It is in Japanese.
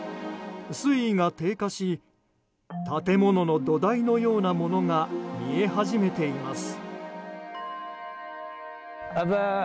水位が低下し建物の土台のようなものが見え始めています。